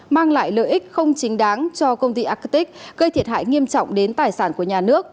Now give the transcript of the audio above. mang lại lợi ích không chính đáng cho công ty acate gây thiệt hại nghiêm trọng đến tài sản của nhà nước